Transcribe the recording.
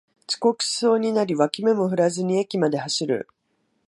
遅刻しそうになり脇目も振らずに駅まで走る